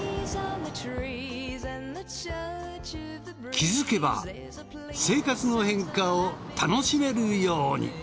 気づけば生活の変化を楽しめるように。